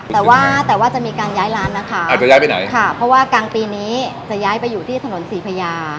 แต่ว่าแต่ว่าจะมีการย้ายร้านนะคะอาจจะย้ายไปไหนค่ะเพราะว่ากลางปีนี้จะย้ายไปอยู่ที่ถนนศรีพญา